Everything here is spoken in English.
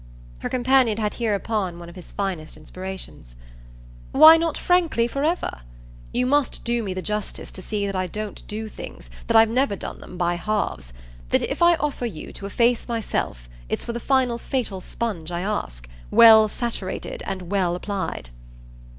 Her companion had hereupon one of his finest inspirations. "Why not frankly for ever? You must do me the justice to see that I don't do things, that I've never done them, by halves that if I offer you to efface myself it's for the final fatal sponge I ask, well saturated and well applied."